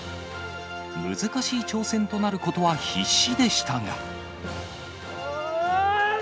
難しい挑戦となることは必至でしたが。